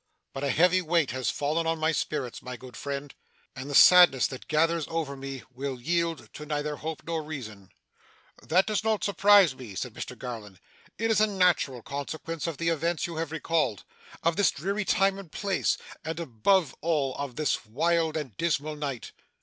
But a heavy weight has fallen on my spirits, my good friend, and the sadness that gathers over me, will yield to neither hope nor reason.' 'That does not surprise me,' said Mr Garland; 'it is a natural consequence of the events you have recalled; of this dreary time and place; and above all, of this wild and dismal night.